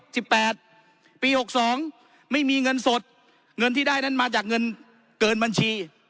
สิบแปดปีหกสองไม่มีเงินสดเงินที่ได้นั้นมาจากเงินเกินบัญชี